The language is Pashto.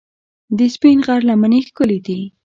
د سپین غر لمنې ښکلې دي